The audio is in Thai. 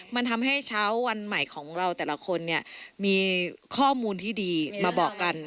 มันทำให้เช้าวันใหม่ของเราแต่ละคนเนี่ยมีข้อมูลที่ดีมาบอกกัน